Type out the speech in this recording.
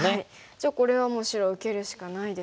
じゃあこれはもう白受けるしかないですね。